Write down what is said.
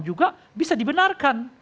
juga bisa dibenarkan